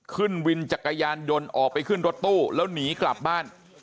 ขึ้นวินจักรยานยนต์ออกไปขึ้นรถตู้แล้วหนีกลับบ้าน